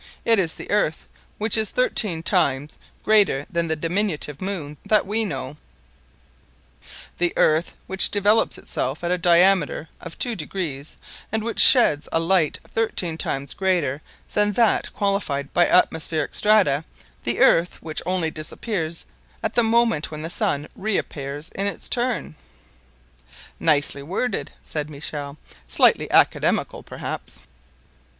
It is the earth, which is thirteen times greater than the diminutive moon that we know—the earth which developes itself at a diameter of two degrees, and which sheds a light thirteen times greater than that qualified by atmospheric strata—the earth which only disappears at the moment when the sun reappears in its turn!" "Nicely worded!" said Michel, "slightly academical perhaps."